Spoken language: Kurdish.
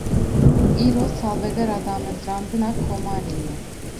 Îro, salvegera damezrandina Komarê ye